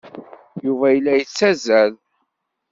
Yuba yella yettazzal.